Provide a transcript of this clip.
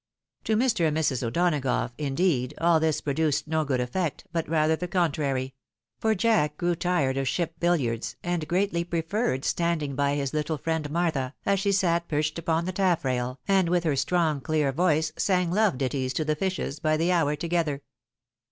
To Mr. and Mrs. O'Donagough, indeed, all this produced no good effect, but rather the contrary ; for Jack grew tired of ship bilHards, and greatly preferred standing by his Httle friend Martha, as she sat perched upon the taflfrail, and with her strong clear voice sang love ditties to the fishes by the hour together.